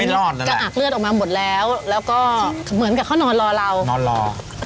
คือมันเหมือนกับอักเลือดออกมาหมดแล้วแล้วก็เหมือนกับเขานอนรอเรานอนรอ